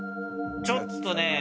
ちょっとね。